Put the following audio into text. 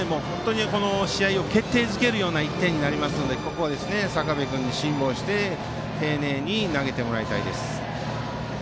試合を決定付けるような１点になりますのでここは坂部君には辛抱して丁寧に投げてもらいたいです。